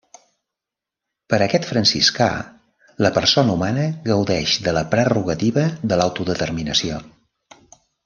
Per a aquest franciscà, la persona humana gaudeix de la prerrogativa de l'autodeterminació.